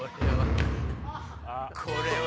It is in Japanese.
これは。